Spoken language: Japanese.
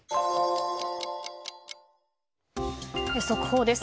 速報です。